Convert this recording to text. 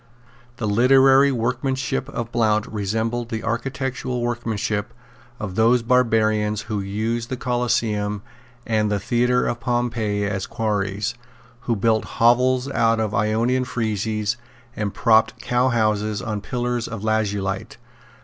The literary workmanship of Blount resembled the architectural workmanship of those barbarians who used the Coliseum and the Theatre of Pompey as quarries, who built hovels out of Ionian friezes and propped cowhouses on pillars of lazulite.